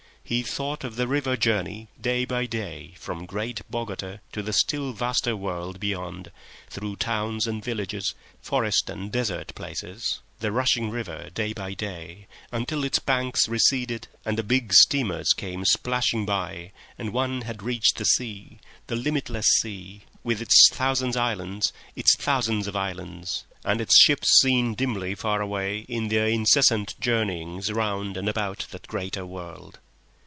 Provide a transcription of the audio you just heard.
He thought of the river journey, day by day, from great Bogota to the still vaster world beyond, through towns and villages, forest and desert places, the rushing river day by day, until its banks receded, and the big steamers came splashing by and one had reached the sea—the limitless sea, with its thousand islands, its thousands of islands, and its ships seen dimly far away in their incessant journeyings round and about that greater world.